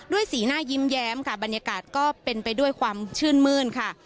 สีหน้ายิ้มแย้มค่ะบรรยากาศก็เป็นไปด้วยความชื่นมื้นค่ะ